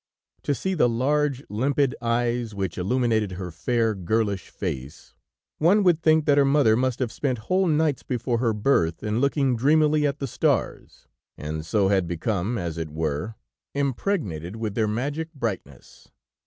To see the large, limpid eyes which illuminated her fair, girlish face, one would think that her mother must have spent whole nights before her birth, in looking dreamily at the stars, and so had become, as it were, impregnated with their magic brightness.